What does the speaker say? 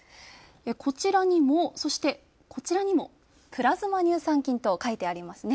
こちらにも、そしてこちらにも、プラズマ乳酸菌と書いてありますね。